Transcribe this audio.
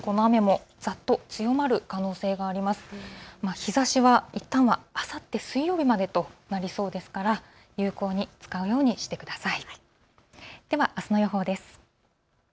日ざしはいったんはあさって水曜日までとなりそうですから有効に使うようにしてください。